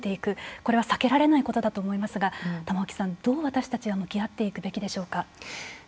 これは避けられないことだと思いますが玉置さん、どう私たちは向き合っていくべきでしょうか。